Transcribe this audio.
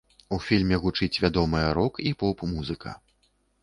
У фільме гучыць вядомая рок і поп-музыка.